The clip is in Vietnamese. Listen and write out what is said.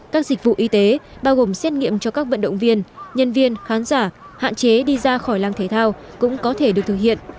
các dịch vụ y tế bao gồm xét nghiệm cho các vận động viên nhân viên khán giả hạn chế đi ra khỏi làng thể thao cũng có thể được thực hiện